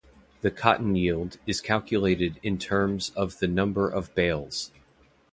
The cotton yield is calculated in terms of the number of bales.